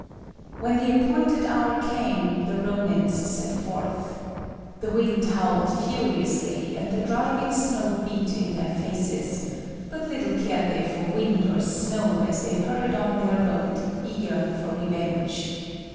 When the appointed hour came, the Rônins set forth. The wind howled furiously, and the driving snow beat in their faces; but little cared they for wind or snow as they hurried on their road, eager for revenge.